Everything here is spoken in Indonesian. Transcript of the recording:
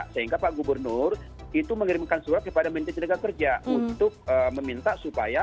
sehingga pak gubernur itu mengirimkan surat kepada menteri tenaga kerja untuk meminta supaya